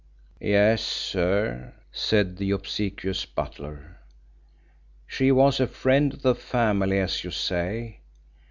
"Yes, sir," said the obsequious butler. "She was a friend of the family, as you say.